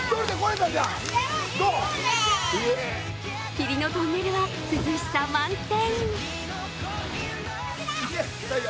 霧のトンネルは涼しさ満点。